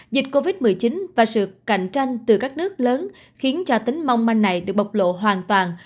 dịch covid một mươi chín và sự cạnh tranh từ các nước lớn khiến cho tính mong manh này được bộc lộ hoàn toàn